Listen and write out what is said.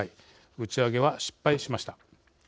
打ち上げは失敗しました。